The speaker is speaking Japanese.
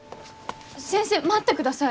先生待ってください。